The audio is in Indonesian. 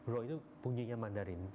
ro itu bunyinya mandarin